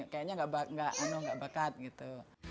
kayaknya nggak bakat gitu